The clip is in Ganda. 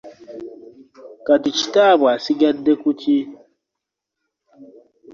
Kati kitaabwe asigadde ku ki?